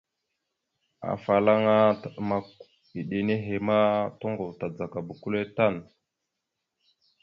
Afalaŋa taɗəmak eɗe henne ma, toŋgov tadzagaba kʉle tan.